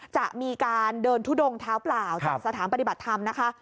จะมีการเดินทุดงเท้าเปล่าจากสถานปฏิบัติธรรมนะคะ